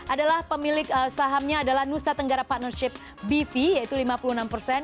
adalah pemilik sahamnya adalah nusa tenggara partnership bv yaitu lima puluh enam persen